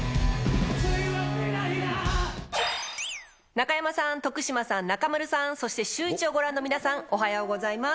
中山さん、徳島さん、中丸さん、そしてシューイチをご覧の皆様、おはようございます。